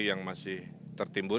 yang masih tertimbun